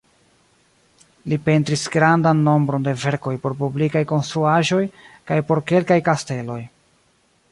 Li pentris grandan nombron de verkoj por publikaj konstruaĵoj kaj por kelkaj kasteloj.